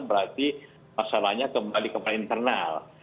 berarti masalahnya kembali kepada internal